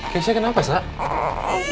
keshen kenapa selsa